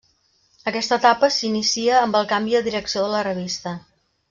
Aquesta etapa s'inicia amb el canvi de direcció de la revista.